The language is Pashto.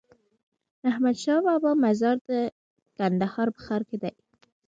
د احمدشاهبابا مزار د کندهار په ښار کی دی